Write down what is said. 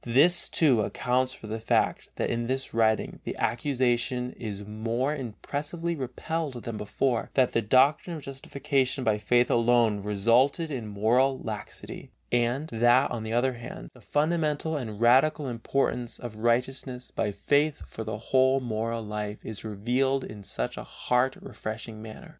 This, too, accounts for the fact that in this writing the accusation is more impressively repelled than before, that the doctrine of justification by faith alone resulted in moral laxity, and that, on the other hand, the fundamental and radical importance of righteousness by faith for the whole moral life is revealed in such a heart refreshing manner.